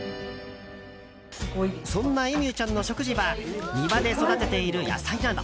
そんなエミューちゃんの食事は庭で育てている野菜など。